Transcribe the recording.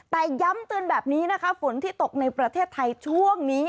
แต่ย้ำเตือนแบบนี้นะคะฝนที่ตกในประเทศไทยช่วงนี้